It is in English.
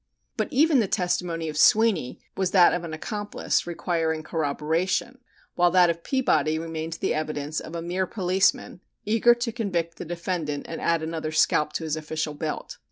But even the testimony of Sweeney was that of an accomplice, requiring corroboration, while that of Peabody remained the evidence of "a mere policeman," eager to convict the defendant and "add another scalp to his official belt."